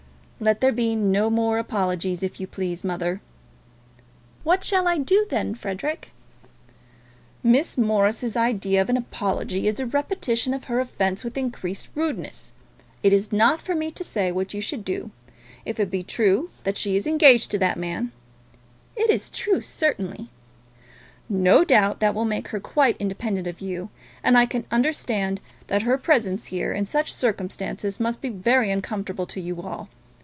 "Let there be no more apologies, if you please, mother." "What shall I do then, Frederic?" "Miss Morris's idea of an apology is a repetition of her offence with increased rudeness. It is not for me to say what you should do. If it be true that she is engaged to that man " "It is true, certainly." "No doubt that will make her quite independent of you, and I can understand that her presence here in such circumstances must be very uncomfortable to you all.